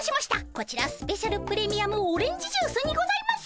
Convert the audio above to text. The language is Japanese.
こちらスペシャルプレミアムオレンジジュースにございます。